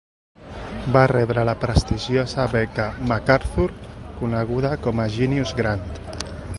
Va rebre la prestigiosa beca MacArthur, coneguda com a "Genius Grant".